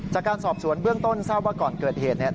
จากการสอบสวนเบื้องต้นทราบว่าก่อนเกิดเหตุเนี่ย